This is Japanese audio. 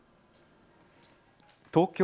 東京